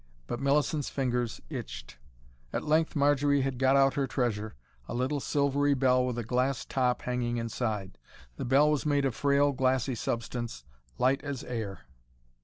But Millicent's fingers itched. At length Marjory had got out her treasure a little silvery bell with a glass top hanging inside. The bell was made of frail glassy substance, light as air.